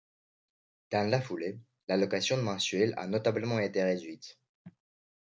Dans la foulée, l'allocation mensuelle a notablement été réduite.